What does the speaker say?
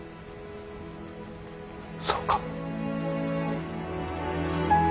そうか。